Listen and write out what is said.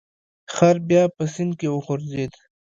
خر بیا په سیند کې وغورځید.